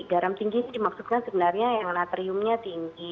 garam tinggi itu dimaksudkan sebenarnya yang natriumnya tinggi